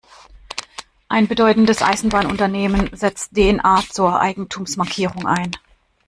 Ein bedeutendes Eisenbahnunternehmen setzt D N A zur Eigentumsmarkierung ein.